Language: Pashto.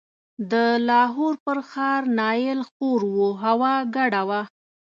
د لاهور پر ښار نایل خور و، هوا ګډه وه.